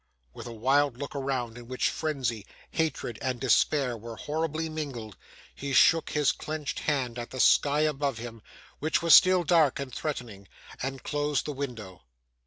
With a wild look around, in which frenzy, hatred, and despair were horribly mingled, he shook his clenched hand at the sky above him, which was still dark and threatening, and closed the window.